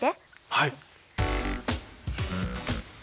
はい。